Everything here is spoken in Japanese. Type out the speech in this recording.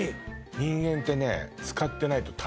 人間ってね・えっ？